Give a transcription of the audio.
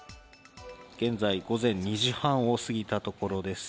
現在、午前２時半を過ぎたところです。